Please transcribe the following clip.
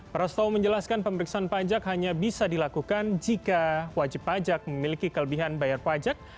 prasto menjelaskan pemeriksaan pajak hanya bisa dilakukan jika wajib pajak memiliki kelebihan bayar pajak